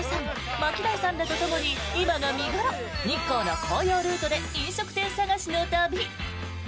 ＭＡＫＩＤＡＩさんらとともに今が見頃、日光の紅葉ルートで飲食店探しの旅！